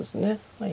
はい。